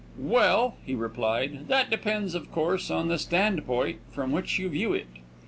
"Well," he replied, "that depends, of course, on the standpoint from which you view it.